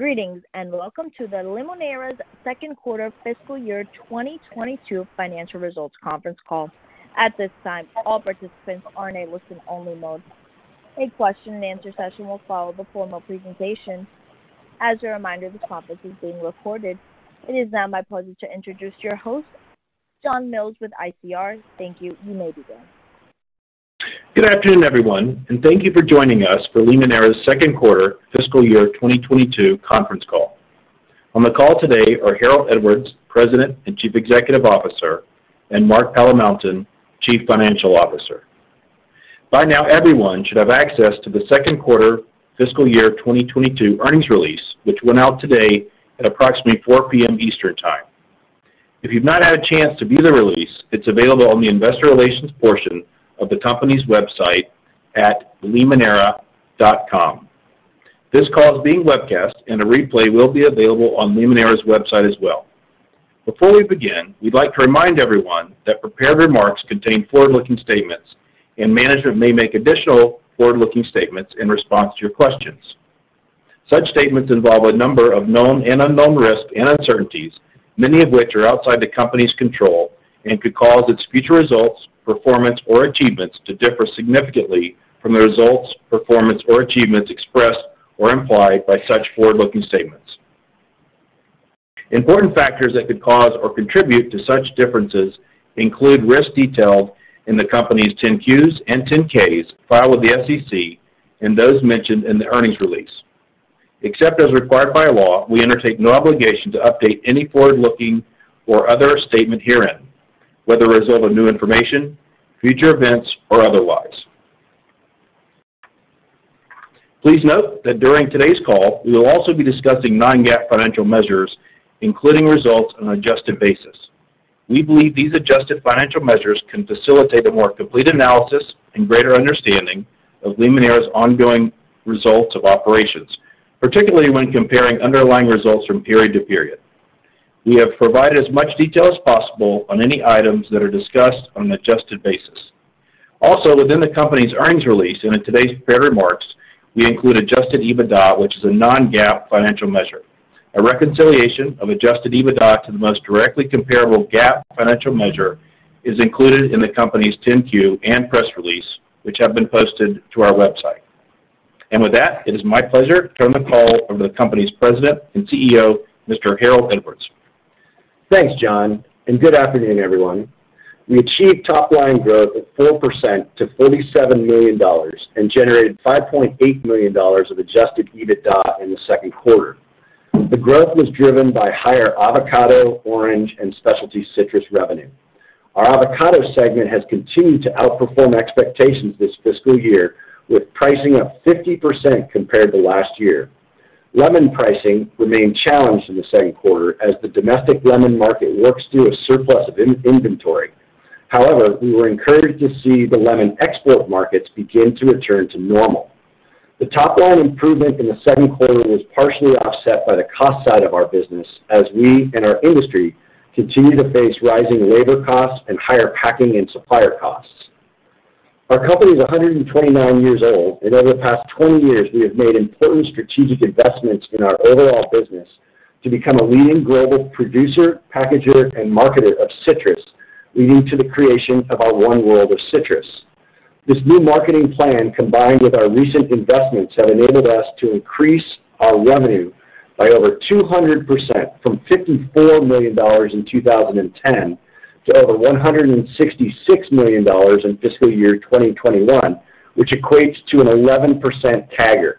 Greetings, and welcome to Limoneira's second quarter fiscal year 2022 financial results conference call. At this time, all participants are in a listen-only mode. A question-and-answer session will follow the formal presentation. As a reminder, this conference is being recorded. It is now my pleasure to introduce your host, John Mills with ICR. Thank you. You may begin. Good afternoon, everyone, and thank you for joining us for Limoneira's second quarter fiscal year 2022 conference call. On the call today are Harold Edwards, President and Chief Executive Officer, and Mark Palamountain, Chief Financial Officer. By now, everyone should have access to the second quarter fiscal year 2022 earnings release, which went out today at approximately 4:00 P.M. Eastern Time. If you've not had a chance to view the release, it's available on the investor relations portion of the company's website at limoneira.com. This call is being webcast and a replay will be available on Limoneira's website as well. Before we begin, we'd like to remind everyone that prepared remarks contain forward-looking statements, and management may make additional forward-looking statements in response to your questions. Such statements involve a number of known and unknown risks and uncertainties, many of which are outside the company's control and could cause its future results, performance, or achievements to differ significantly from the results, performance, or achievements expressed or implied by such forward-looking statements. Important factors that could cause or contribute to such differences include risks detailed in the company's 10-Qs and 10-Ks filed with the SEC and those mentioned in the earnings release. Except as required by law, we undertake no obligation to update any forward-looking or other statement herein, whether as a result of new information, future events, or otherwise. Please note that during today's call, we will also be discussing non-GAAP financial measures, including results on an adjusted basis. We believe these adjusted financial measures can facilitate a more complete analysis and greater understanding of Limoneira's ongoing results of operations, particularly when comparing underlying results from period to period. We have provided as much detail as possible on any items that are discussed on an adjusted basis. Also, within the company's earnings release and in today's prepared remarks, we include adjusted EBITDA, which is a non-GAAP financial measure. A reconciliation of adjusted EBITDA to the most directly comparable GAAP financial measure is included in the company's 10-Q and press release, which have been posted to our website. With that, it is my pleasure to turn the call over to the company's President and CEO, Mr. Harold Edwards. Thanks, John, and good afternoon, everyone. We achieved top-line growth of 4% to $47 million and generated $5.8 million of adjusted EBITDA in the second quarter. The growth was driven by higher avocado, orange, and specialty citrus revenue. Our avocado segment has continued to outperform expectations this fiscal year with pricing up 50% compared to last year. Lemon pricing remained challenged in the second quarter as the domestic lemon market works through a surplus of inventory. However, we were encouraged to see the lemon export markets begin to return to normal. The top-line improvement in the second quarter was partially offset by the cost side of our business as we and our industry continue to face rising labor costs and higher packing and supplier costs. Our company is 129 years old, and over the past 20 years, we have made important strategic investments in our overall business to become a leading global producer, packager, and marketer of citrus, leading to the creation of our One World of Citrus. This new marketing plan, combined with our recent investments, have enabled us to increase our revenue by over 200% from $54 million in 2010 to over $166 million in fiscal year 2021, which equates to an 11% CAGR.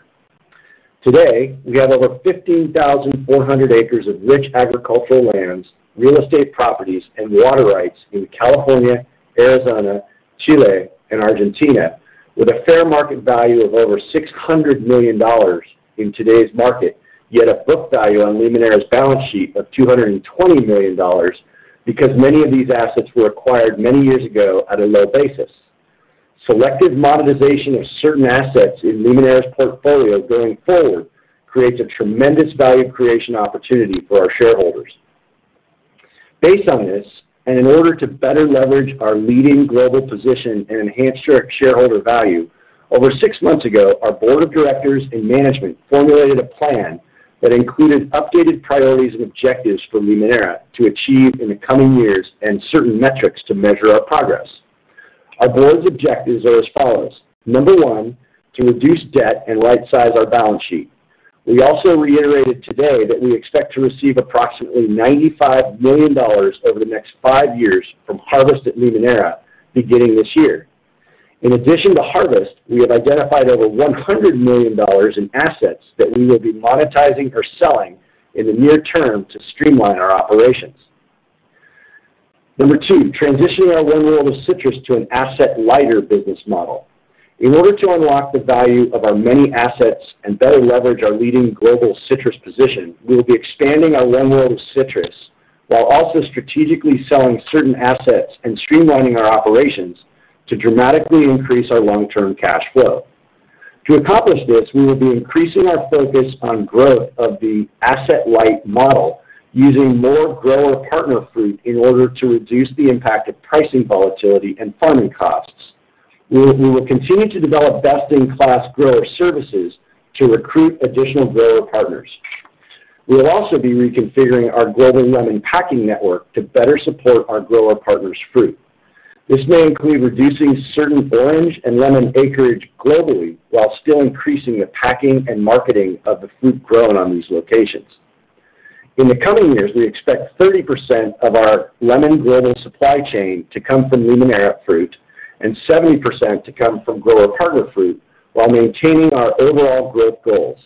Today, we have over 15,400 acres of rich agricultural lands, real estate properties, and water rights in California, Arizona, Chile, and Argentina with a fair market value of over $600 million in today's market, yet a book value on Limoneira's balance sheet of $220 million because many of these assets were acquired many years ago at a low basis. Selective monetization of certain assets in Limoneira's portfolio going forward creates a tremendous value creation opportunity for our shareholders. Based on this, and in order to better leverage our leading global position and enhance shareholder value, over 6 months ago, our board of directors and management formulated a plan that included updated priorities and objectives for Limoneira to achieve in the coming years and certain metrics to measure our progress. Our board's objectives are as follows. Number one, to reduce debt and rightsize our balance sheet. We also reiterated today that we expect to receive approximately $95 million over the next 5 years from Harvest at Limoneira beginning this year. In addition to Harvest, we have identified over $100 million in assets that we will be monetizing or selling in the near term to streamline our operations. Number two, transitioning our One World of Citrus to an asset-lighter business model. In order to unlock the value of our many assets and better leverage our leading global citrus position, we will be expanding our One World of Citrus while also strategically selling certain assets and streamlining our operations to dramatically increase our long-term cash flow. To accomplish this, we will be increasing our focus on growth of the asset-light model using more grower partner fruit in order to reduce the impact of pricing volatility and farming costs. We will continue to develop best-in-class grower services to recruit additional grower partners. We will also be reconfiguring our global lemon packing network to better support our grower partners' fruit. This may include reducing certain orange and lemon acreage globally while still increasing the packing and marketing of the fruit grown on these locations. In the coming years, we expect 30% of our lemon global supply chain to come from Limoneira fruit and 70% to come from grower partner fruit while maintaining our overall growth goals.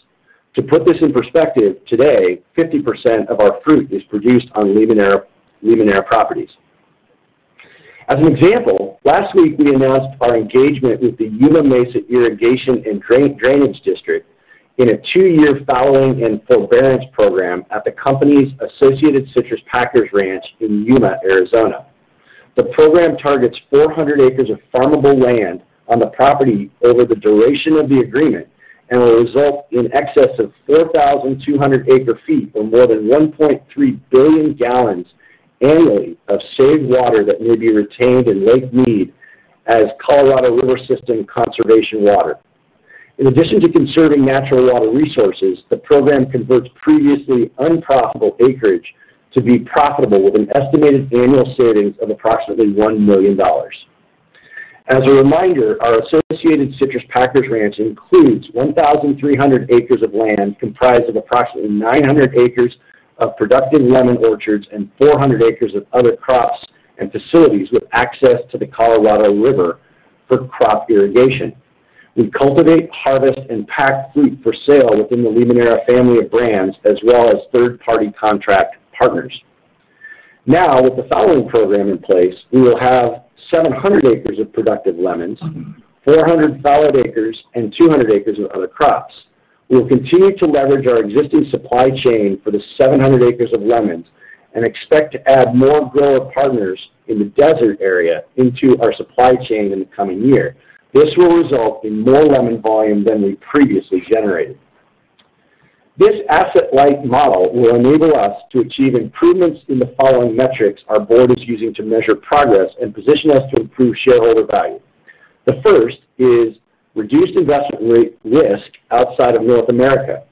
To put this in perspective, today 50% of our fruit is produced on Limoneira properties. As an example, last week we announced our engagement with the Yuma Mesa Irrigation and Drainage District in a 2-year fallowing and forbearance program at the company's Associated Citrus Packers Ranch in Yuma, Arizona. The program targets 400 acres of farmable land on the property over the duration of the agreement and will result in excess of 4,200 acre ft or more than 1.3 billion gal annually of saved water that may be retained in Lake Mead as Colorado River system conservation water. In addition to conserving natural water resources, the program converts previously unprofitable acreage to be profitable with an estimated annual savings of approximately $1 million. As a reminder, our Associated Citrus Packers Ranch includes 1,300 acres of land comprised of approximately 900 acres of productive lemon orchards and 400 acres of other crops and facilities with access to the Colorado River for crop irrigation. We cultivate, harvest, and pack fruit for sale within the Limoneira family of brands as well as third-party contract partners. Now, with the fallowing program in place, we will have 700 acres of productive lemons, 400 fallowed acres, and 200 acres of other crops. We'll continue to leverage our existing supply chain for the 700 acres of lemons and expect to add more grower partners in the desert area into our supply chain in the coming year. This will result in more lemon volume than we previously generated. This asset-light model will enable us to achieve improvements in the following metrics our board is using to measure progress and position us to improve shareholder value. The first is reduced investment risk outside of North America,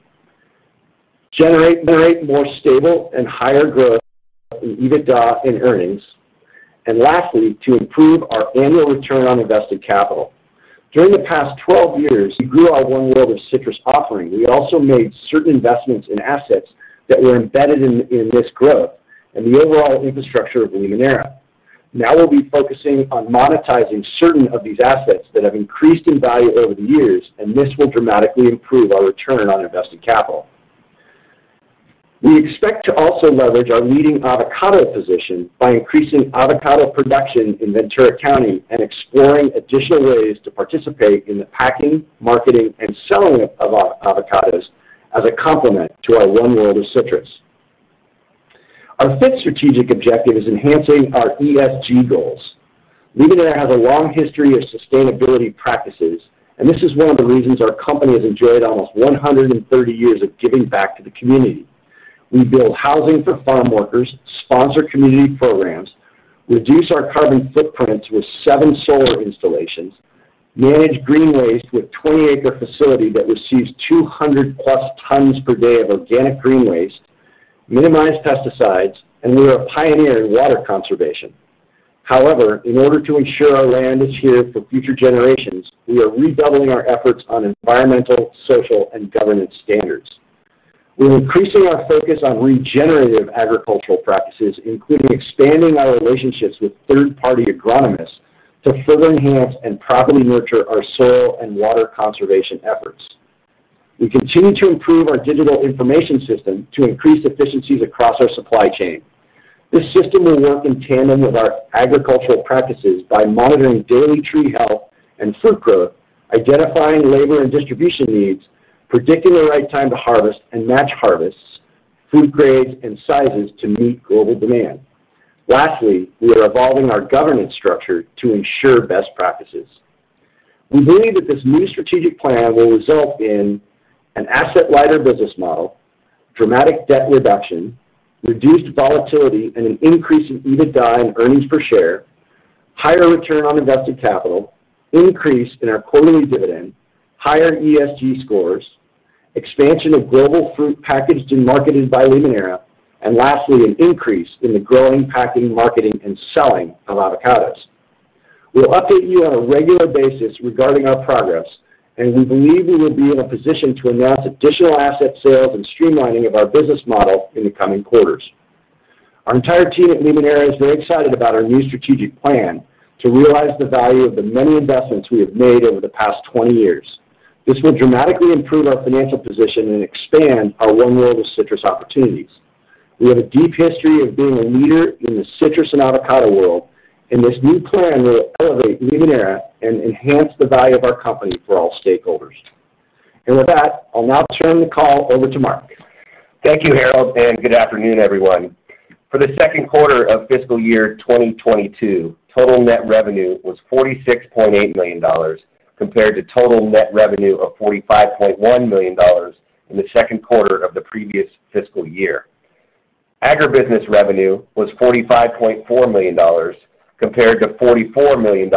generate more stable and higher growth in EBITDA and earnings, and lastly, to improve our annual return on invested capital. During the past 12 years, we grew our One World of Citrus offering. We also made certain investments in assets that were embedded in this growth and the overall infrastructure of Limoneira. Now we'll be focusing on monetizing certain of these assets that have increased in value over the years, and this will dramatically improve our return on invested capital. We expect to also leverage our leading avocado position by increasing avocado production in Ventura County and exploring additional ways to participate in the packing, marketing, and selling of avocados as a complement to our One World of Citrus. Our fifth strategic objective is enhancing our ESG goals. Limoneira has a long history of sustainability practices, and this is one of the reasons our company has enjoyed almost 130 years of giving back to the community. We build housing for farm workers, sponsor community programs, reduce our carbon footprints with seven solar installations, manage green waste with a 20-acre facility that receives 200+ tons per day of organic green waste, minimize pesticides, and we are a pioneer in water conservation. However, in order to ensure our land is here for future generations, we are redoubling our efforts on environmental, social, and governance standards. We're increasing our focus on regenerative agricultural practices, including expanding our relationships with third-party agronomists to further enhance and properly nurture our soil and water conservation efforts. We continue to improve our digital information system to increase efficiencies across our supply chain. This system will work in tandem with our agricultural practices by monitoring daily tree health and fruit growth, identifying labor and distribution needs, predicting the right time to harvest and match harvests, fruit grades, and sizes to meet global demand. Lastly, we are evolving our governance structure to ensure best practices. We believe that this new strategic plan will result in an asset lighter business model, dramatic debt reduction, reduced volatility, and an increase in EBITDA and earnings per share, higher return on invested capital, increase in our quarterly dividend, higher ESG scores, expansion of global fruit packaged and marketed by Limoneira, and lastly, an increase in the growing, packing, marketing, and selling of avocados. We'll update you on a regular basis regarding our progress, and we believe we will be in a position to announce additional asset sales and streamlining of our business model in the coming quarters. Our entire team at Limoneira is very excited about our new strategic plan to realize the value of the many investments we have made over the past 20 years. This will dramatically improve our financial position and expand our One World of Citrus opportunities. We have a deep history of being a leader in the citrus and avocado world, and this new plan will elevate Limoneira and enhance the value of our company for all stakeholders. With that, I'll now turn the call over to Mark. Thank you, Harold, and good afternoon, everyone. For the second quarter of fiscal year 2022, total net revenue was $46.8 million compared to total net revenue of $45.1 million in the second quarter of the previous fiscal year. Agribusiness revenue was $45.4 million compared to $44 million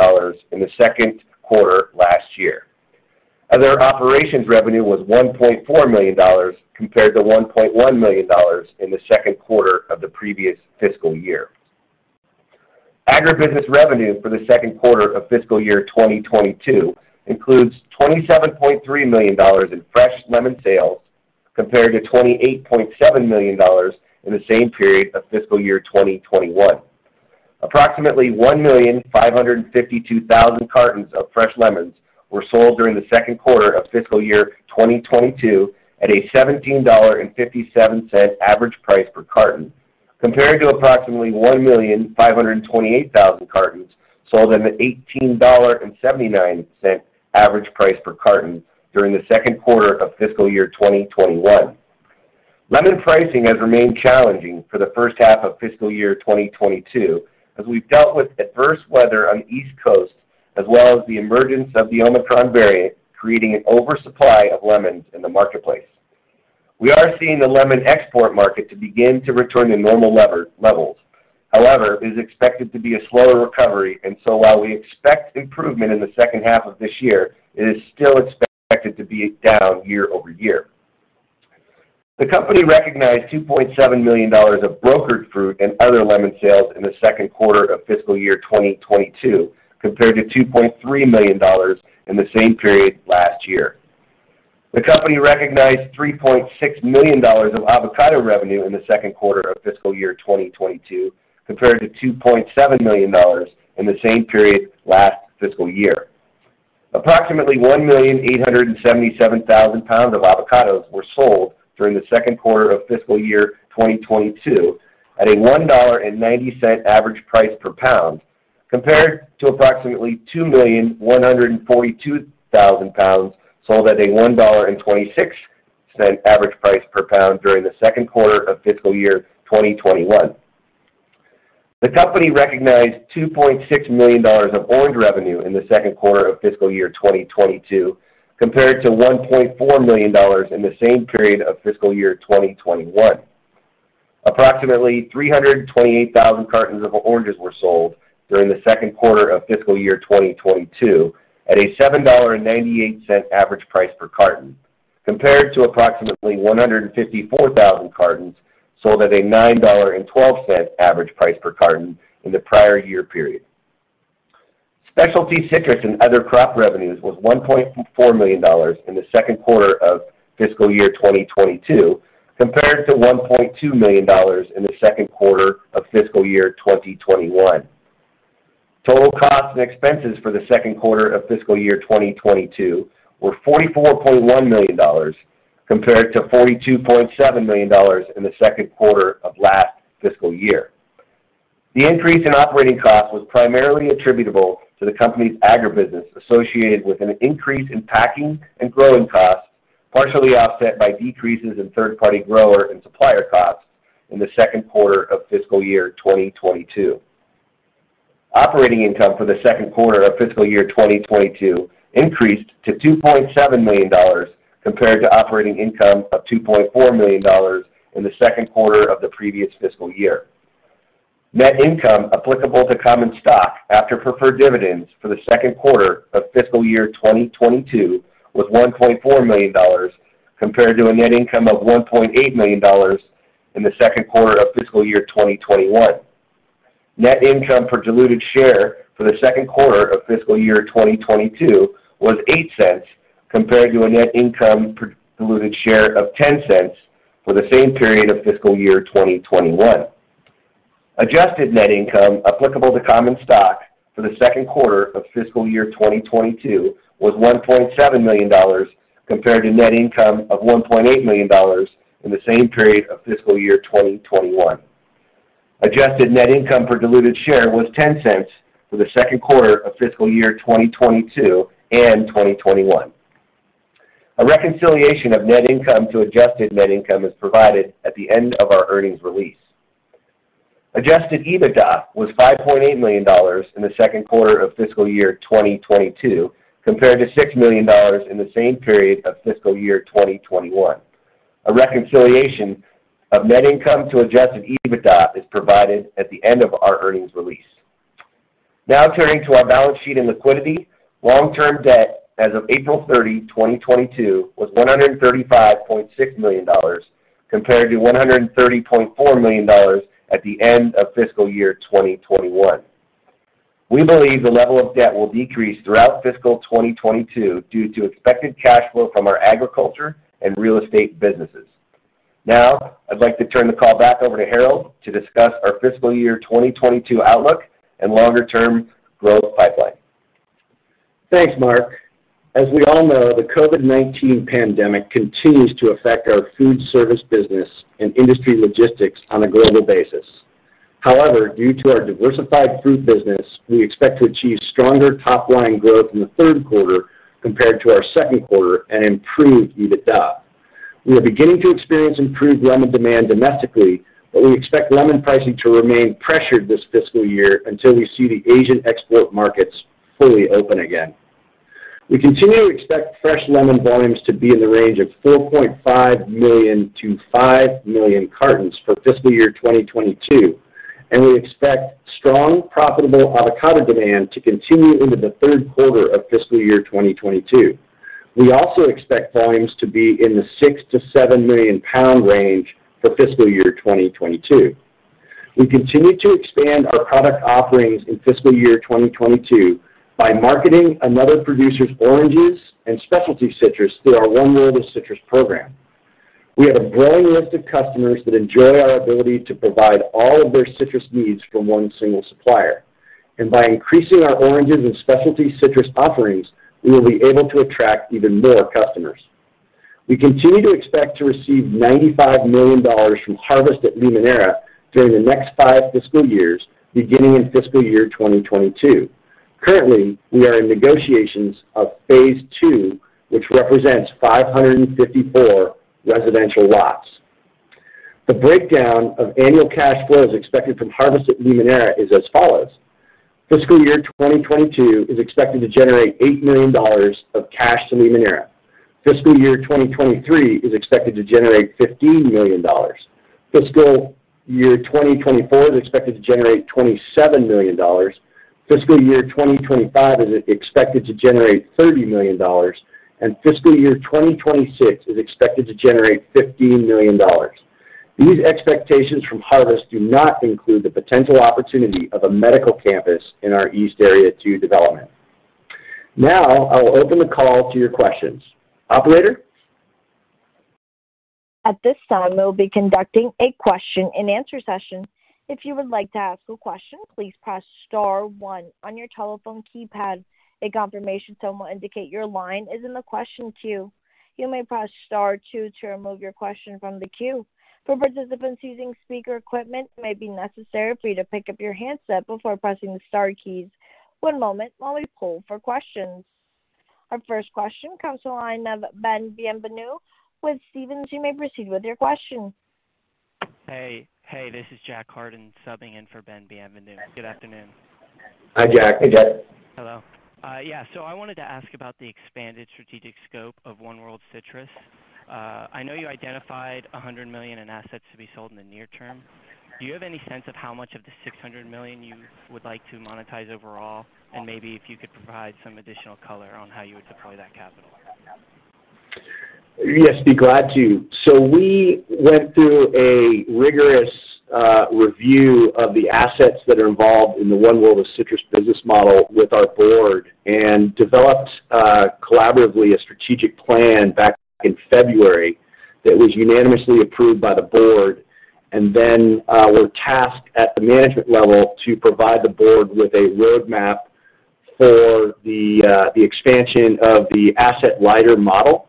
in the second quarter last year. Other operations revenue was $1.4 million compared to $1.1 million in the second quarter of the previous fiscal year. Agribusiness revenue for the second quarter of fiscal year 2022 includes $27.3 million in fresh lemon sales compared to $28.7 million in the same period of fiscal year 2021. Approximately 1,552,000 cartons of fresh lemons were sold during the second quarter of fiscal year 2022 at a $17.57 average price per carton, compared to approximately 1,528,000 cartons sold at a $18.79 average price per carton during the second quarter of fiscal year 2021. Lemon pricing has remained challenging for the first half of fiscal year 2022 as we've dealt with adverse weather on the East Coast as well as the emergence of the Omicron variant, creating an oversupply of lemons in the marketplace. We are seeing the lemon export market to begin to return to normal levels. However, it is expected to be a slower recovery, and so while we expect improvement in the second half of this year, it is still expected to be down year over year. The company recognized $2.7 million of brokered fruit and other lemon sales in the second quarter of fiscal year 2022, compared to $2.3 million in the same period last year. The company recognized $3.6 million of avocado revenue in the second quarter of fiscal year 2022, compared to $2.7 million in the same period last fiscal year. Approximately 1,877,000 lbs of avocados were sold during the second quarter of fiscal year 2022 at a $1.90 average price per pound, compared to approximately 2,142,000 lbs sold at a $1.26 average price per pound during the second quarter of fiscal year 2021. The company recognized $2.6 million of orange revenue in the second quarter of fiscal year 2022, compared to $1.4 million in the same period of fiscal year 2021. Approximately 328,000 cartons of oranges were sold during the second quarter of fiscal year 2022 at a $7.98 average price per carton, compared to approximately 154,000 cartons sold at a $9.12 average price per carton in the prior year period. Specialty citrus and other crop revenues was $1.4 million in the second quarter of fiscal year 2022, compared to $1.2 million in the second quarter of fiscal year 2021. Total costs and expenses for the second quarter of fiscal year 2022 were $44.1 million compared to $42.7 million in the second quarter of last fiscal year. The increase in operating costs was primarily attributable to the company's agribusiness associated with an increase in packing and growing costs, partially offset by decreases in third-party grower and supplier costs in the second quarter of fiscal year 2022. Operating income for the second quarter of fiscal year 2022 increased to $2.7 million compared to operating income of $2.4 million in the second quarter of the previous fiscal year. Net income applicable to common stock after preferred dividends for the second quarter of fiscal year 2022 was $1.4 million compared to a net income of $1.8 million in the second quarter of fiscal year 2021. Net income per diluted share for the second quarter of fiscal year 2022 was $0.08 compared to a net income per diluted share of $0.10 for the same period of fiscal year 2021. Adjusted net income applicable to common stock for the second quarter of fiscal year 2022 was $1.7 million compared to net income of $1.8 million in the same period of fiscal year 2021. Adjusted net income per diluted share was $0.10 for the second quarter of fiscal year 2022 and 2021. A reconciliation of net income to adjusted net income is provided at the end of our earnings release. Adjusted EBITDA was $5.8 million in the second quarter of fiscal year 2022 compared to $6 million in the same period of fiscal year 2021. A reconciliation of net income to adjusted EBITDA is provided at the end of our earnings release. Now turning to our balance sheet and liquidity. Long-term debt as of April 30, 2022 was $135.6 million compared to $130.4 million at the end of fiscal year 2021. We believe the level of debt will decrease throughout fiscal 2022 due to expected cash flow from our agriculture and real estate businesses. Now, I'd like to turn the call back over to Harold to discuss our fiscal year 2022 outlook and longer-term growth pipeline. Thanks, Mark. As we all know, the COVID-19 pandemic continues to affect our food service business and industry logistics on a global basis. However, due to our diversified food business, we expect to achieve stronger top-line growth in the third quarter compared to our second quarter and improved EBITDA. We are beginning to experience improved lemon demand domestically, but we expect lemon pricing to remain pressured this fiscal year until we see the Asian export markets fully open again. We continue to expect fresh lemon volumes to be in the range of 4.5 million-5 million cartons for fiscal year 2022, and we expect strong profitable avocado demand to continue into the third quarter of fiscal year 2022. We also expect volumes to be in the 6 million-7 million lb range for fiscal year 2022. We continue to expand our product offerings in fiscal year 2022 by marketing another producer's oranges and specialty citrus through our One World of Citrus program. We have a growing list of customers that enjoy our ability to provide all of their citrus needs from one single supplier. By increasing our oranges and specialty citrus offerings, we will be able to attract even more customers. We continue to expect to receive $95 million from Harvest at Limoneira during the next 5 fiscal years, beginning in fiscal year 2022. Currently, we are in negotiations of Phase 2, which represents 554 residential lots. The breakdown of annual cash flows expected from Harvest at Limoneira is as follows. Fiscal year 2022 is expected to generate $8 million of cash to Limoneira. Fiscal year 2023 is expected to generate $15 million. Fiscal year 2024 is expected to generate $27 million. Fiscal year 2025 is expected to generate $30 million. Fiscal year 2026 is expected to generate $15 million. These expectations from Harvest do not include the potential opportunity of a medical campus in our East Area 2 development. Now, I will open the call to your questions. Operator? At this time, we will be conducting a question and answer session. If you would like to ask a question, please press star one on your telephone keypad. A confirmation tone will indicate your line is in the question queue. You may press star two to remove your question from the queue. For participants using speaker equipment, it may be necessary for you to pick up your handset before pressing the star keys. One moment while we poll for questions. Our first question comes to the line of Ben Bienvenu with Stephens. You may proceed with your question. Hey, hey, this is Jack Hardin subbing in for Ben Bienvenu. Good afternoon. Hi, Jack. Hey, Jack. Hello. I wanted to ask about the expanded strategic scope of One World of Citrus. I know you identified $100 million in assets to be sold in the near term. Do you have any sense of how much of the $600 million you would like to monetize overall? Maybe if you could provide some additional color on how you would deploy that capital. Yes, be glad to. We went through a rigorous review of the assets that are involved in the One World of Citrus business model with our board and developed collaboratively a strategic plan back in February that was unanimously approved by the board. We're tasked at the management level to provide the board with a roadmap for the expansion of the asset lighter model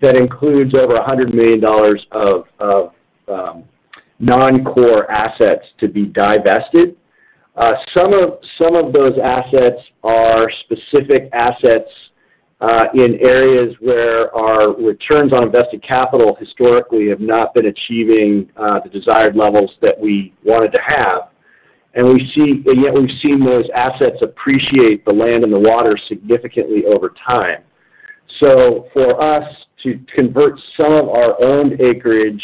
that includes over $100 million of non-core assets to be divested. Some of those assets are specific assets in areas where our returns on invested capital historically have not been achieving the desired levels that we wanted to have. Yet we've seen those assets appreciate, the land and the water, significantly over time. For us to convert some of our owned acreage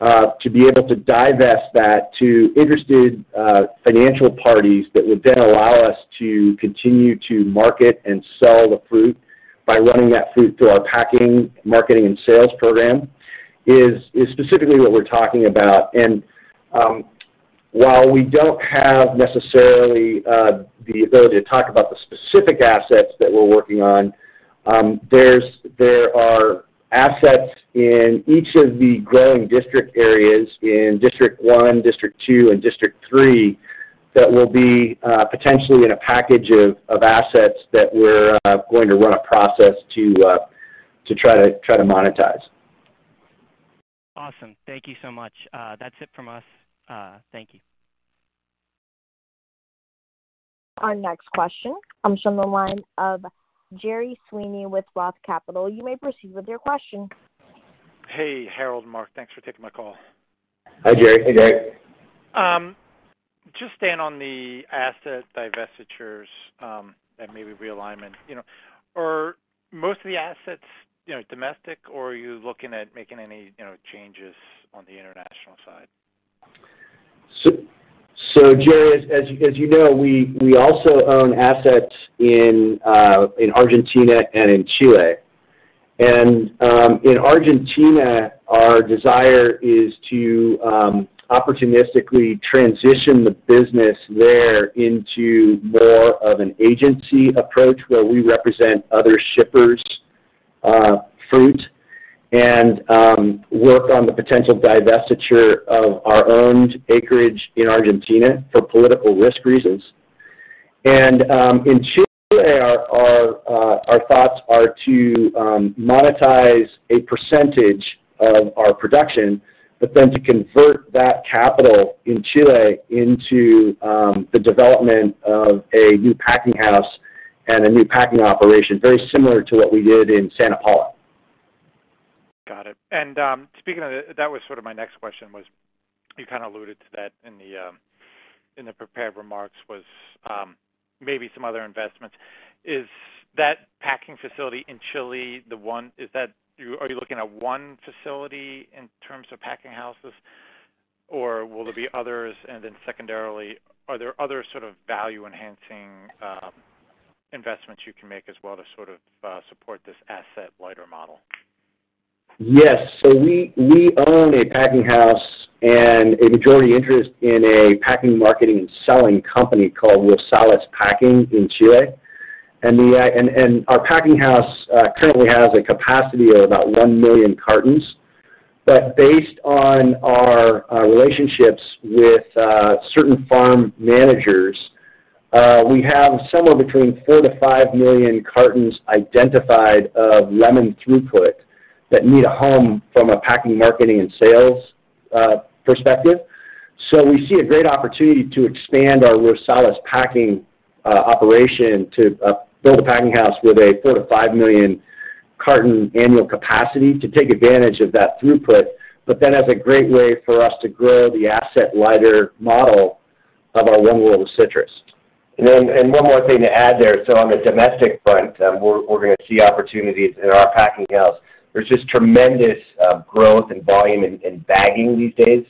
to be able to divest that to interested financial parties that would then allow us to continue to market and sell the fruit by running that fruit through our packing, marketing, and sales program is specifically what we're talking about. While we don't have necessarily the ability to talk about the specific assets that we're working on, there are assets in each of the growing district areas in District 1, District 2, and District 3 that will be potentially in a package of assets that we're going to run a process to try to monetize. Awesome. Thank you so much. That's it from us. Thank you. Our next question comes from the line of Gerry Sweeney with Roth Capital. You may proceed with your question. Hey, Harold, Mark, thanks for taking my call. Hi, Gerry. Hey, Gerry. Just staying on the asset divestitures and maybe realignment, you know, are most of the assets, you know, domestic, or are you looking at making any, you know, changes on the international side? Gerry, as you know, we also own assets in Argentina and in Chile. In Argentina, our desire is to opportunistically transition the business there into more of an agency approach where we represent other shippers' fruit and work on the potential divestiture of our owned acreage in Argentina for political risk reasons. In Chile, our thoughts are to monetize a percentage of our production, but then to convert that capital in Chile into the development of a new packing house and a new packing operation, very similar to what we did in Santa Paula. Got it. Speaking of that was sort of my next question. You kind of alluded to that in the prepared remarks, maybe some other investments. Is that packing facility in Chile the one? Are you looking at one facility in terms of packing houses, or will there be others? Secondarily, are there other sort of value enhancing investments you can make as well to sort of support this asset lighter model? Yes. We own a packing house and a majority interest in a packing, marketing, and selling company called Rosales S.A. in Chile. Our packing house currently has a capacity of about 1 million cartons. Based on our relationships with certain farm managers, we have somewhere between 4 million-5 million cartons identified of lemon throughput that need a home from a packing, marketing, and sales perspective. We see a great opportunity to expand our Rosales packing operation to build a packing house with a 4 million-5 million carton annual capacity to take advantage of that throughput. As a great way for us to grow the asset lighter model of our One World of Citrus. One more thing to add there. On the domestic front, we're gonna see opportunities in our packing house. There's just tremendous growth and volume in bagging these days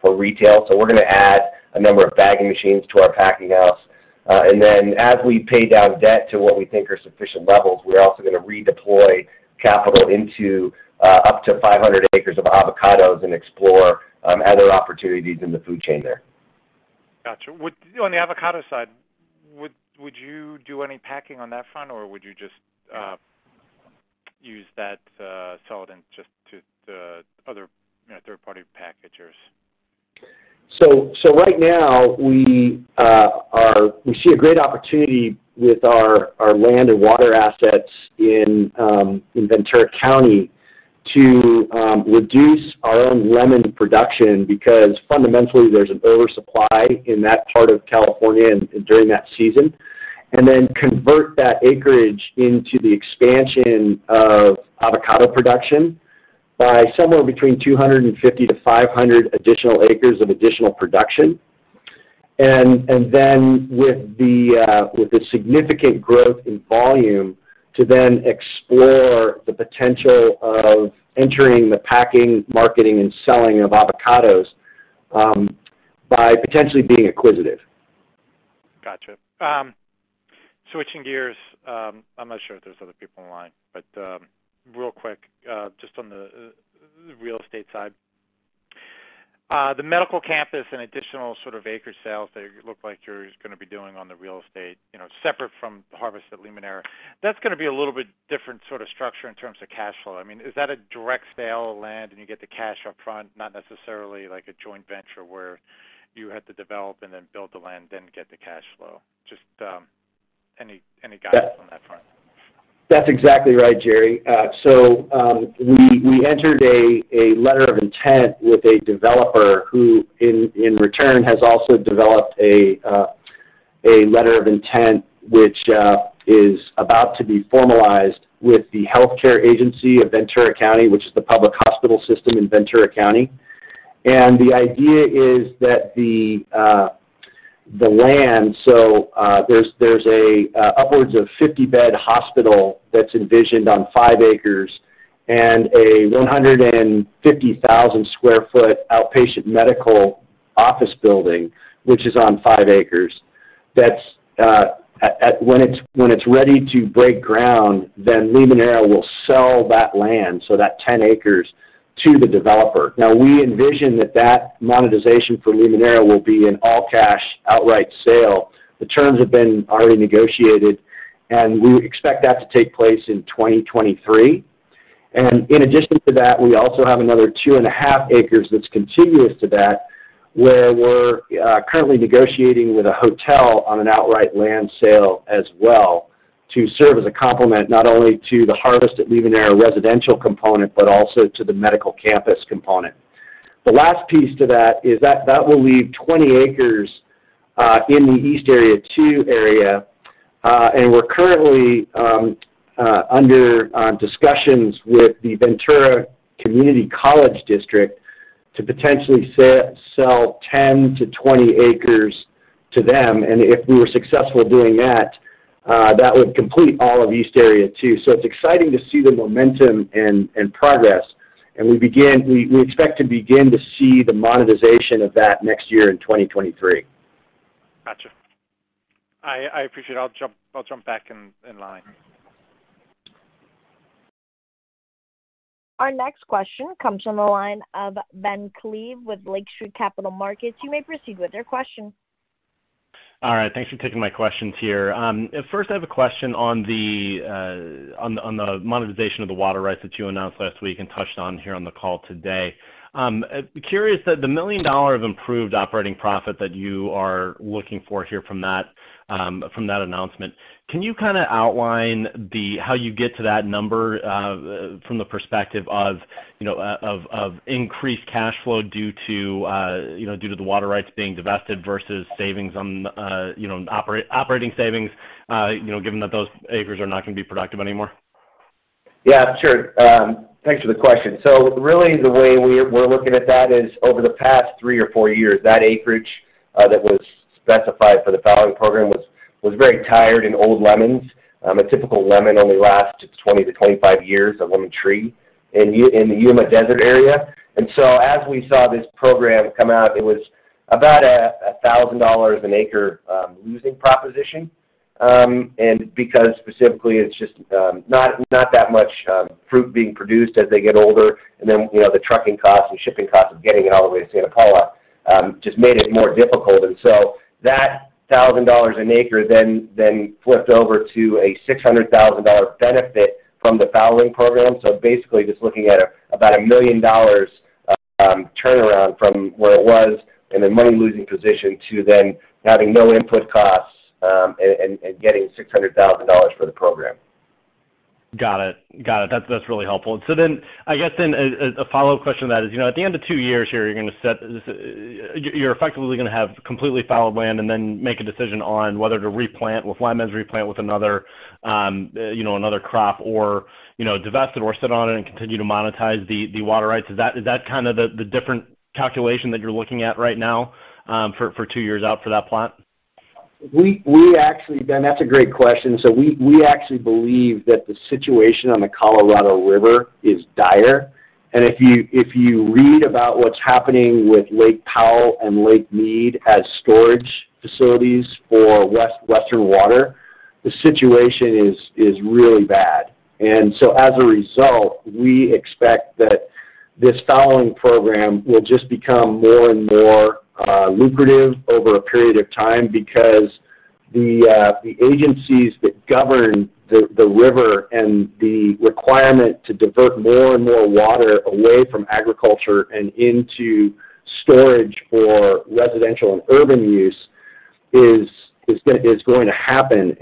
for retail. We're gonna add a number of bagging machines to our packing house. As we pay down debt to what we think are sufficient levels, we're also gonna redeploy capital into up to 500 acres of avocados and explore other opportunities in the food chain there. Got you. On the avocado side, would you do any packing on that front, or would you just sell it in, just to the other, you know, third party packagers? Right now we see a great opportunity with our land and water assets in Ventura County to reduce our own lemon production because fundamentally there's an oversupply in that part of California during that season. Convert that acreage into the expansion of avocado production by somewhere between 250-500 additional acres of additional production. With the significant growth in volume to then explore the potential of entering the packing, marketing, and selling of avocados by potentially being acquisitive. Gotcha. Switching gears, I'm not sure if there's other people in line, but real quick, just on the real estate side. The medical campus and additional sort of acre sales that it looks like you're gonna be doing on the real estate, you know, separate from the Harvest at Limoneira, that's gonna be a little bit different sort of structure in terms of cash flow. I mean, is that a direct sale of land and you get the cash up front, not necessarily like a joint venture where you had to develop and then build the land, then get the cash flow? Just any guidance on that front. That's exactly right, Gerry. We entered a letter of intent with a developer who in return has also developed a letter of intent, which is about to be formalized with the Ventura County Health Care Agency, which is the public hospital system in Ventura County. The idea is that the land. There's a upwards of 50-bed hospital that's envisioned on 5 acres and a 150,000 sq ft outpatient medical office building, which is on 5 acres. When it's ready to break ground, then Limoneira will sell that land, so that 10 acres to the developer. Now, we envision that that monetization for Limoneira will be an all cash outright sale. The terms have been already negotiated, and we expect that to take place in 2023. In addition to that, we also have another 2.5 acres that's contiguous to that, where we're currently negotiating with a hotel on an outright land sale as well to serve as a complement, not only to the Harvest at Limoneira residential component, but also to the medical campus component. The last piece to that is that that will leave 20 acres in the East Area 2 area. We're currently under discussions with the Ventura County Community College District to potentially sell 10-20 acres to them. If we were successful doing that would complete all of East Area 2. It's exciting to see the momentum and progress. We expect to begin to see the monetization of that next year in 2023. Gotcha. I appreciate it. I'll jump back in line. Our next question comes from the line of Ben Klieve with Lake Street Capital Markets. You may proceed with your question. All right. Thanks for taking my questions here. First I have a question on the monetization of the water rights that you announced last week and touched on here on the call today. Curious that the $1 million of improved operating profit that you are looking for here from that announcement, can you kind of outline how you get to that number from the perspective of, you know, of increased cash flow due to, you know, due to the water rights being divested versus savings on, you know, operating savings, you know, given that those acres are not gonna be productive anymore? Yeah, sure. Thanks for the question. Really the way we're looking at that is over the past 3 or 4 years, that acreage that was specified for the fallowing program was very tired and old lemons. A typical lemon only lasts 20 to 25 years, a lemon tree in the Yuma desert area. As we saw this program come out, it was about a $1,000 an acre losing proposition. Because specifically it's just not that much fruit being produced as they get older. Then, you know, the trucking costs and shipping costs of getting it all the way to Santa Paula just made it more difficult. That $1,000 an acre then flipped over to a $600,000 benefit from the fallowing program. Basically just looking at about $1 million turnaround from where it was in a money-losing position to then having no input costs and getting $600,000 for the program. Got it. That's really helpful. I guess a follow question to that is, you know, at the end of 2 years here, you're gonna set this. You're effectively gonna have completely fallowed land and then make a decision on whether to replant with lemons or replant with another, you know, another crop or, you know, divest it or sit on it and continue to monetize the water rights. Is that kind of the different calculation that you're looking at right now, for 2 years out for that plant? We actually, Ben, that's a great question. We actually believe that the situation on the Colorado River is dire. If you read about what's happening with Lake Powell and Lake Mead as storage facilities for western water, the situation is really bad. As a result, we expect that this fallowing program will just become more and more lucrative over a period of time because the agencies that govern the river and the requirement to divert more and more water away from agriculture and into storage for residential and urban use is going to happen.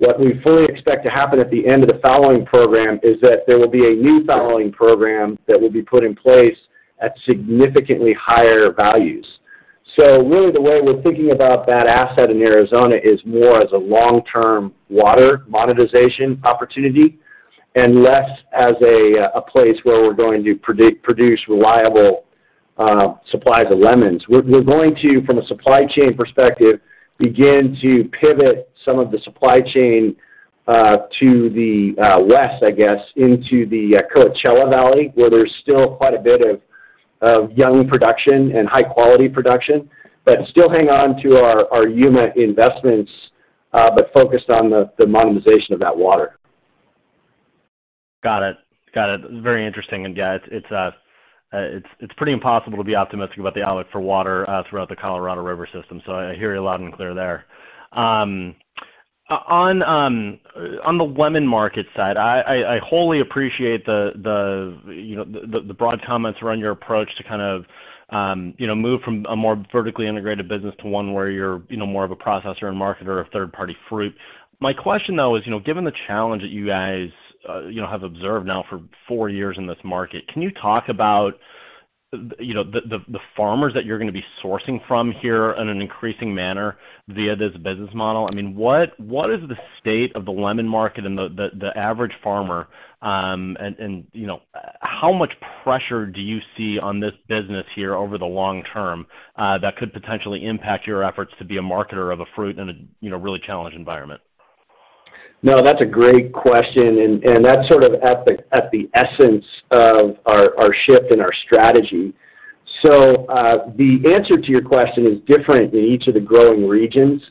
What we fully expect to happen at the end of the fallowing program is that there will be a new fallowing program that will be put in place at significantly higher values. Really the way we're thinking about that asset in Arizona is more as a long-term water monetization opportunity and less as a place where we're going to produce reliable supplies of lemons. We're going to, from a supply chain perspective, begin to pivot some of the supply chain to the west, I guess, into the Coachella Valley, where there's still quite a bit of young production and high quality production. Still hang on to our Yuma investments, but focused on the monetization of that water. Got it. Very interesting. Yeah, it's pretty impossible to be optimistic about the outlook for water throughout the Colorado River system. I hear you loud and clear there. On the lemon market side, I wholly appreciate the broad comments around your approach to kind of move from a more vertically integrated business to one where you're more of a processor and marketer of third party fruit. My question though is, you know, given the challenge that you guys have observed now for 4 years in this market, can you talk about the farmers that you're gonna be sourcing from here in an increasing manner via this business model? I mean, what is the state of the lemon market and the average farmer, and you know, how much pressure do you see on this business here over the long term, that could potentially impact your efforts to be a marketer of a fruit in a you know, really challenged environment? No, that's a great question, and that's sort of at the essence of our shift in our strategy. The answer to your question is different in each of the growing regions.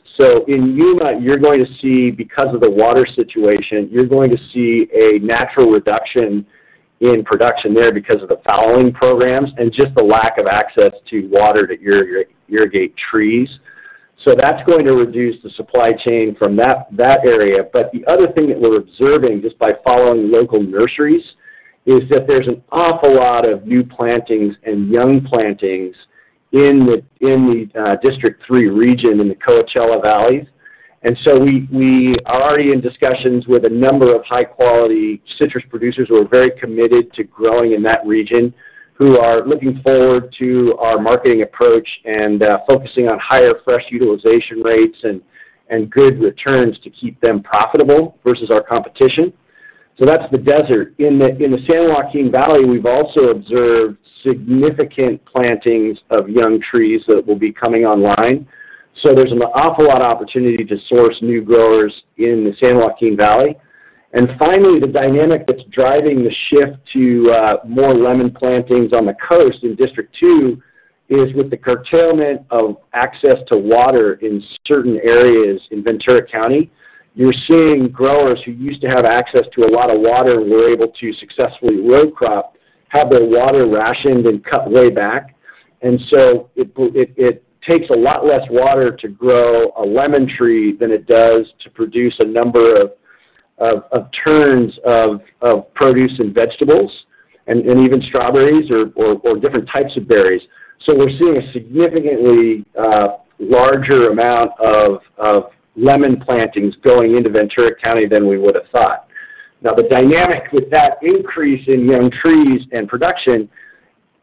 In Yuma, you're going to see, because of the water situation, a natural reduction in production there because of the fallowing programs and just the lack of access to water to irrigate trees. That's going to reduce the supply chain from that area. The other thing that we're observing just by following local nurseries is that there's an awful lot of new plantings and young plantings in the District 3 region in the Coachella Valley. We are already in discussions with a number of high quality citrus producers who are very committed to growing in that region, who are looking forward to our marketing approach and focusing on higher fresh utilization rates and good returns to keep them profitable versus our competition. That's the desert. In the San Joaquin Valley, we've also observed significant plantings of young trees that will be coming online. There's an awful lot of opportunity to source new growers in the San Joaquin Valley. Finally, the dynamic that's driving the shift to more lemon plantings on the coast in District 2 is with the curtailment of access to water in certain areas in Ventura County. You're seeing growers who used to have access to a lot of water and were able to successfully row crop have their water rationed and cut way back. It takes a lot less water to grow a lemon tree than it does to produce a number of tons of produce and vegetables and even strawberries or different types of berries. We're seeing a significantly larger amount of lemon plantings going into Ventura County than we would have thought. Now, the dynamic with that increase in young trees and production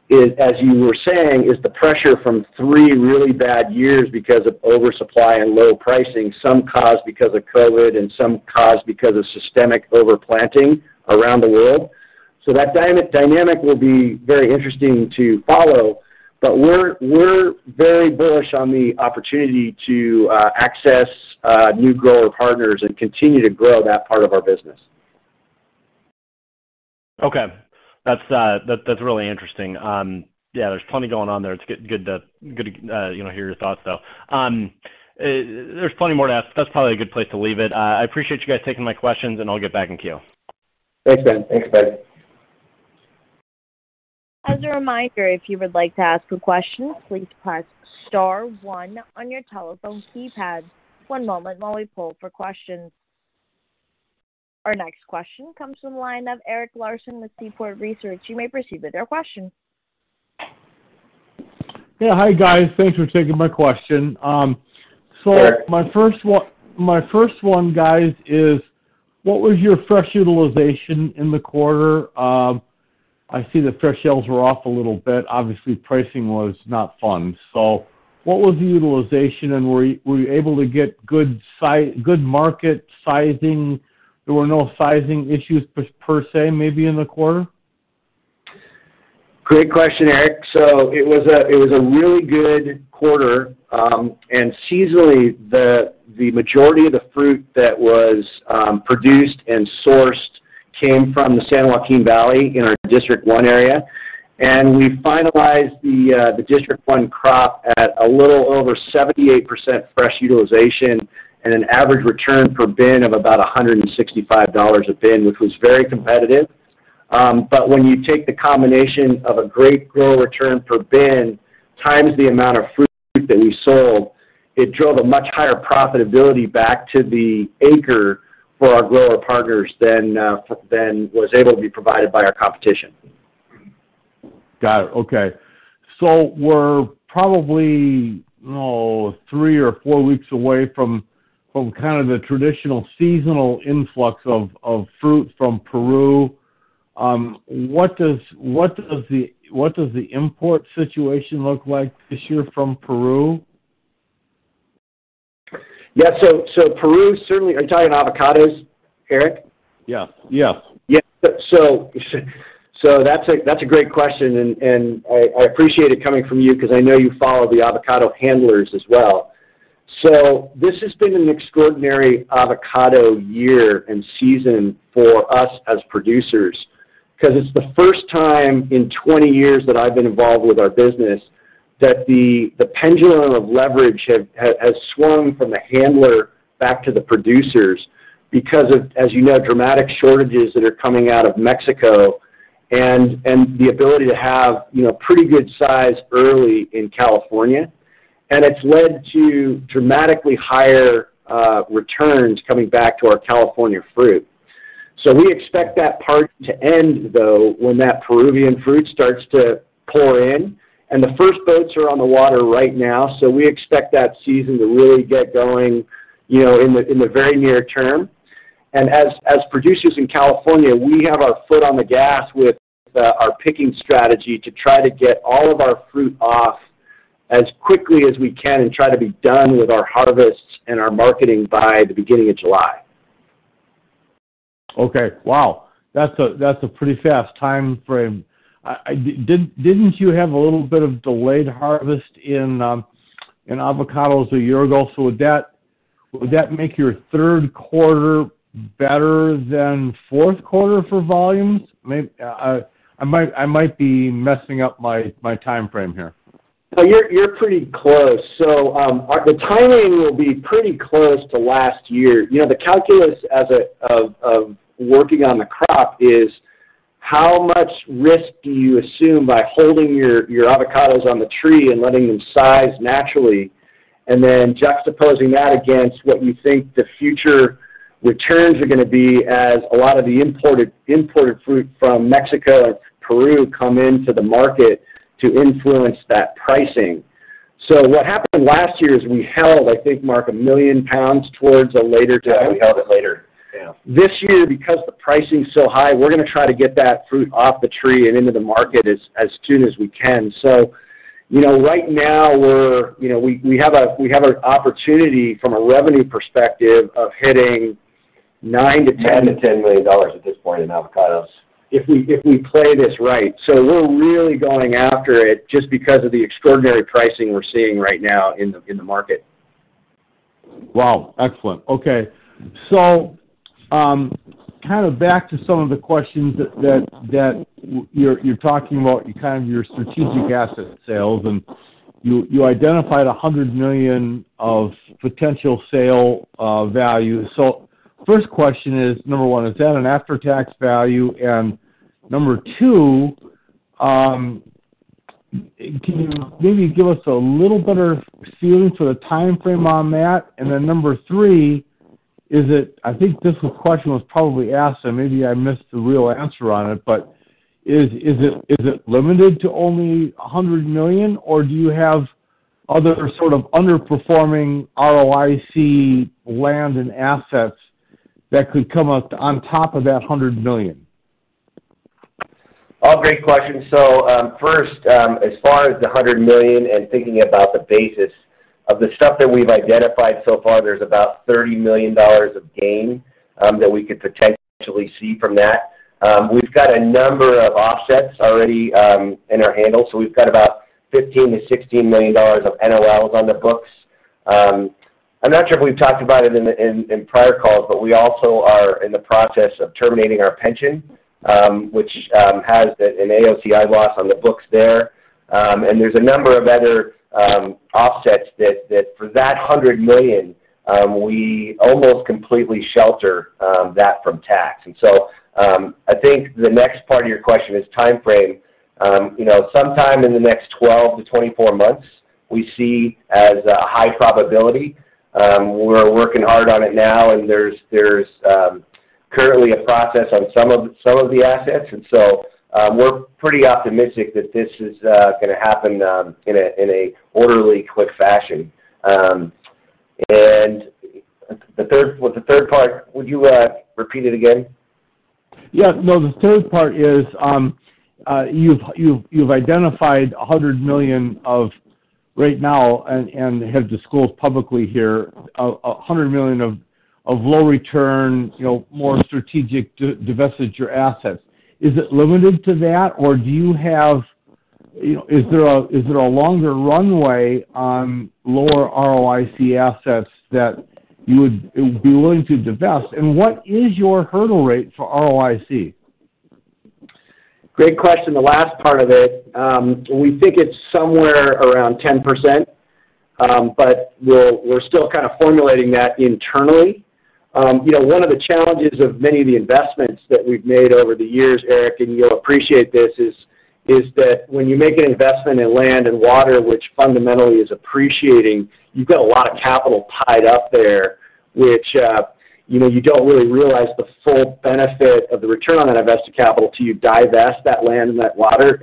is, as you were saying, the pressure from three really bad years because of oversupply and low pricing, some caused because of COVID and some caused because of systemic over-planting around the world. That dynamic will be very interesting to follow, but we're very bullish on the opportunity to access new grower partners and continue to grow that part of our business. Okay. That's really interesting. Yeah, there's plenty going on there. It's good to hear your thoughts, though. You know, there's plenty more to ask. That's probably a good place to leave it. I appreciate you guys taking my questions, and I'll get back in queue. Thanks, Ben. Thanks, Ben. As a reminder, if you would like to ask a question, please press star one on your telephone keypad. One moment while we poll for questions. Our next question comes from the line of Eric Larson with Seaport Research. You may proceed with your question. Yeah. Hi, guys. Thanks for taking my question. So- Sure. My first one, guys, is what was your fresh utilization in the quarter? I see the fresh sales were off a little bit. Obviously, pricing was not fun. What was the utilization, and were you able to get good market sizing? There were no sizing issues per se maybe in the quarter? Great question, Eric. It was a really good quarter. Seasonally, the majority of the fruit that was produced and sourced came from the San Joaquin Valley in our District 1 area. We finalized the District 1 crop at a little over 78% fresh utilization and an average return per bin of about $165 a bin, which was very competitive. When you take the combination of a great grower return per bin times the amount of fruit that we sold, it drove a much higher profitability back to the acre for our grower partners than was able to be provided by our competition. Got it. Okay. We're probably 3 or 4 weeks away from kind of the traditional seasonal influx of fruit from Peru. What does the import situation look like this year from Peru? Yeah. Peru, certainly. Are you talking avocados, Eric? Yeah. Yeah. Yeah. So that's a great question, and I appreciate it coming from you 'cause I know you follow the avocado handlers as well. This has been an extraordinary avocado year and season for us as producers 'cause it's the first time in 20 years that I've been involved with our business that the pendulum of leverage has swung from the handler back to the producers because of, as you know, dramatic shortages that are coming out of Mexico and the ability to have, you know, pretty good size early in California, and it's led to dramatically higher returns coming back to our California fruit. We expect that part to end, though, when that Peruvian fruit starts to pour in, and the first boats are on the water right now, so we expect that season to really get going, you know, in the very near term. As producers in California, we have our foot on the gas with our picking strategy to try to get all of our fruit off as quickly as we can and try to be done with our harvests and our marketing by the beginning of July. Okay. Wow. That's a pretty fast timeframe. Didn't you have a little bit of delayed harvest in avocados a year ago? Would that make your third quarter better than fourth quarter for volumes? I might be messing up my timeframe here. No, you're pretty close. The timing will be pretty close to last year. You know, the calculus of working on the crop is how much risk do you assume by holding your avocados on the tree and letting them size naturally, and then juxtaposing that against what you think the future returns are gonna be as a lot of the imported fruit from Mexico and Peru come into the market to influence that pricing. What happened last year is we held, I think, Mark, 1 million lbs towards a later time. Yeah, we held it later. Yeah. This year, because the pricing's so high, we're gonna try to get that fruit off the tree and into the market as soon as we can. You know, we have an opportunity from a revenue perspective of hitting $9-$10- $9 million-$10 million at this point in avocados. ... if we play this right. We're really going after it just because of the extraordinary pricing we're seeing right now in the market. Wow. Excellent. Okay. Kind of back to some of the questions that you're talking about kind of your strategic asset sales, and you identified $100 million of potential sale value. First question is, number one, is that an after-tax value? And number two, can you maybe give us a little better feeling for the timeframe on that? And then number three, I think this question was probably asked, so maybe I missed the real answer on it, but is it limited to only $100 million, or do you have other sort of underperforming ROIC land and assets that could come up on top of that $100 million. All great questions. First, as far as the $100 million and thinking about the basis of the stuff that we've identified so far, there's about $30 million of gain that we could potentially see from that. We've got a number of offsets already on hand. We've got about $15 million-$16 million of NOLs on the books. I'm not sure if we've talked about it in prior calls, but we also are in the process of terminating our pension, which has an AOCI loss on the books there. There's a number of other offsets that for that $100 million, we almost completely shelter that from tax. I think the next part of your question is timeframe. You know, sometime in the next 12-24 months, we see as a high probability. We're working hard on it now, and there's currently a process on some of the assets. We're pretty optimistic that this is gonna happen in an orderly, quick fashion. With the third part, would you repeat it again? Yeah. No, the third part is, you've identified $100 million right now and have disclosed publicly here a $100 million of low return, you know, more strategic divestiture assets. Is it limited to that, or do you have, you know, is there a longer runway on lower ROIC assets that you would be willing to divest? And what is your hurdle rate for ROIC? Great question, the last part of it. We think it's somewhere around 10%, but we're still kind of formulating that internally. You know, one of the challenges of many of the investments that we've made over the years, Eric, and you'll appreciate this, is that when you make an investment in land and water, which fundamentally is appreciating, you've got a lot of capital tied up there, which, you know, you don't really realize the full benefit of the return on that invested capital till you divest that land and that water.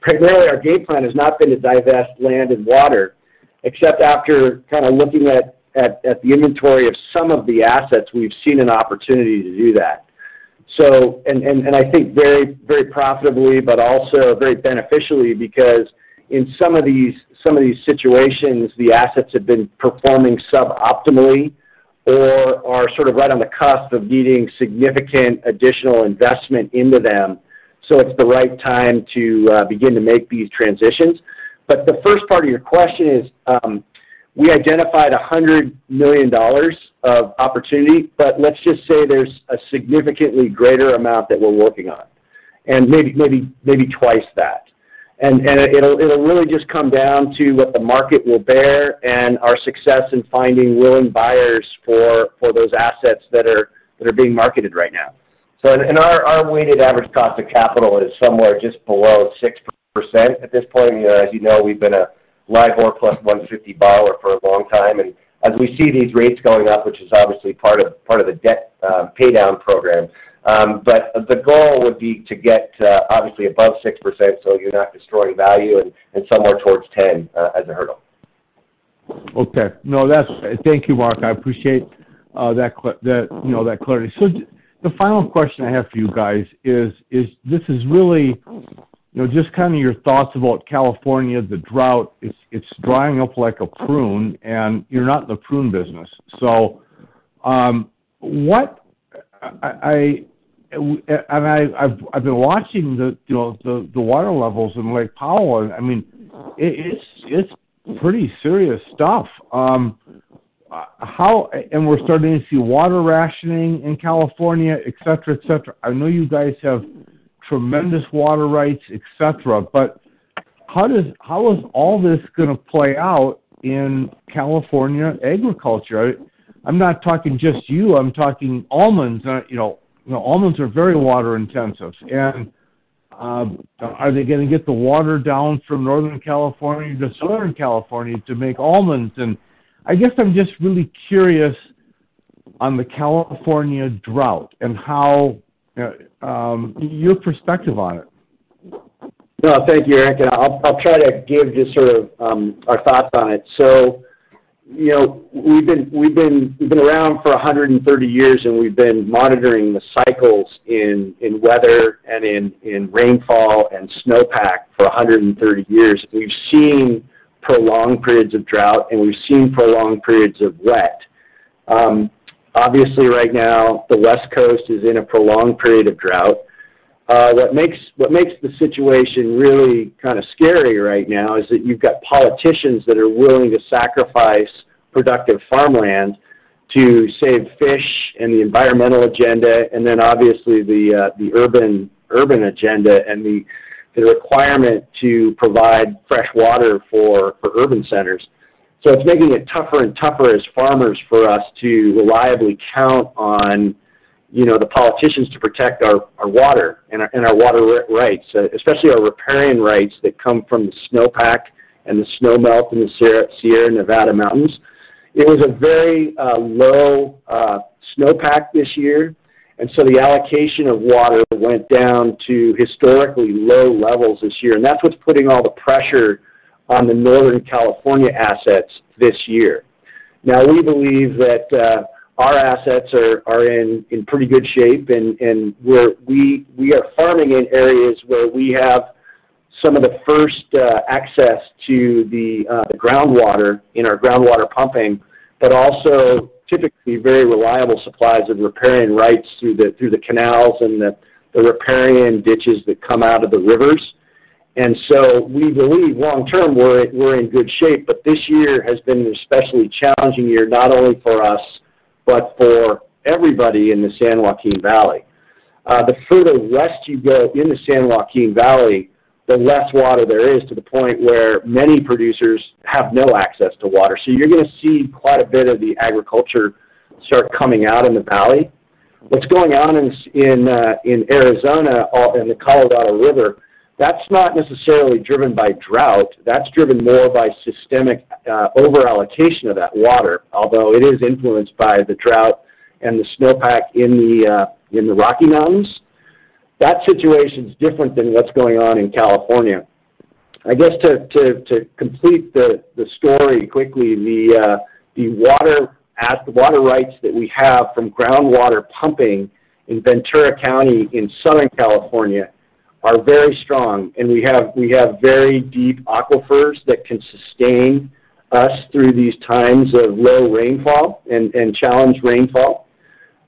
Primarily, our game plan has not been to divest land and water, except after kind of looking at the inventory of some of the assets, we've seen an opportunity to do that. I think very profitably, but also very beneficially because in some of these situations, the assets have been performing suboptimally or are sort of right on the cusp of needing significant additional investment into them, so it's the right time to begin to make these transitions. The first part of your question is, we identified $100 million of opportunity, but let's just say there's a significantly greater amount that we're working on, and maybe twice that. It'll really just come down to what the market will bear and our success in finding willing buyers for those assets that are being marketed right now. Our weighted average cost of capital is somewhere just below 6%. At this point, as you know, we've been a LIBOR plus 150 borrower for a long time. As we see these rates going up, which is obviously part of the debt paydown program, but the goal would be to get obviously above 6%, so you're not destroying value, and somewhere towards 10%, as a hurdle. Thank you, Mark. I appreciate that, you know, that clarity. The final question I have for you guys is this is really, you know, just kinda your thoughts about California, the drought. It's drying up like a prune, and you're not in the prune business. I've been watching the, you know, the water levels in Lake Powell, and I mean, it is pretty serious stuff. We're starting to see water rationing in California, et cetera, et cetera. I know you guys have tremendous water rights, et cetera, but how is all this gonna play out in California agriculture? I'm not talking just you, I'm talking almonds. You know, almonds are very water intensive. Are they gonna get the water down from Northern California to Southern California to make almonds? I guess I'm just really curious on the California drought and how your perspective on it. No, thank you, Eric, and I'll try to give just sort of our thoughts on it. You know, we've been around for 130 years, and we've been monitoring the cycles in weather and in rainfall and snowpack for 130 years. We've seen prolonged periods of drought, and we've seen prolonged periods of wet. Obviously right now, the West Coast is in a prolonged period of drought. What makes the situation really kinda scary right now is that you've got politicians that are willing to sacrifice productive farmland to save fish and the environmental agenda, and then obviously the urban agenda and the requirement to provide fresh water for urban centers. It's making it tougher and tougher as farmers for us to reliably count on, you know, the politicians to protect our water and our water rights, especially our riparian rights that come from the snowpack and the snow melt in the Sierra Nevada mountains. It was a very low snowpack this year, and so the allocation of water went down to historically low levels this year. That's what's putting all the pressure on the Northern California assets this year. We believe that our assets are in pretty good shape, and we are farming in areas where we have some of the first access to the groundwater in our groundwater pumping, but also typically very reliable supplies of riparian rights through the canals and the riparian ditches that come out of the rivers. We believe long term, we are in good shape, but this year has been an especially challenging year, not only for us, but for everybody in the San Joaquin Valley. The further west you go in the San Joaquin Valley, the less water there is to the point where many producers have no access to water. You are going to see quite a bit of the agriculture start coming out in the valley. What's going on in Arizona or in the Colorado River, that's not necessarily driven by drought. That's driven more by systemic over allocation of that water, although it is influenced by the drought and the snowpack in the Rocky Mountains. That situation's different than what's going on in California. I guess to complete the story quickly, the water rights that we have from groundwater pumping in Ventura County in Southern California are very strong, and we have very deep aquifers that can sustain us through these times of low rainfall and challenged rainfall.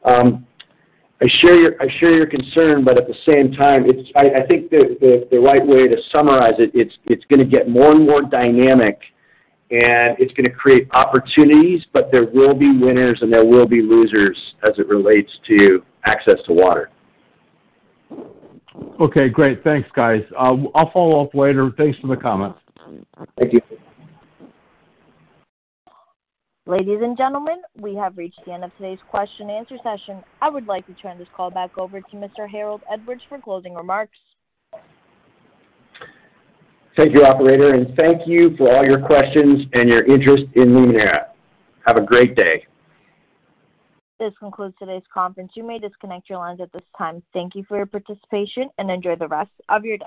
I share your concern, but at the same time, I think the right way to summarize it's gonna get more and more dynamic, and it's gonna create opportunities, but there will be winners and there will be losers as it relates to access to water. Okay, great. Thanks, guys. I'll follow up later. Thanks for the comments. Thank you. Ladies and gentlemen, we have reached the end of today's question and answer session. I would like to turn this call back over to Mr. Harold Edwards for closing remarks. Thank you, operator, and thank you for all your questions and your interest in Limoneira. Have a great day. This concludes today's conference. You may disconnect your lines at this time. Thank you for your participation, and enjoy the rest of your day.